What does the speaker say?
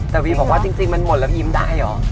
แต่วีบอกว่าจริงมันหมดแล้วยิ้มได้เหรอ